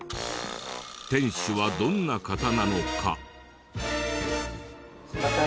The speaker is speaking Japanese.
店主はどんな方なのか。